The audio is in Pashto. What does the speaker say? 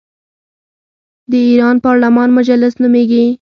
د ایران پارلمان مجلس نومیږي.